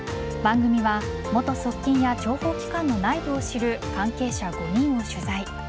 番組は元側近や諜報機関の内部を知る関係者５人を取材。